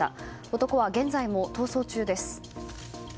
男は現在も逃走中です。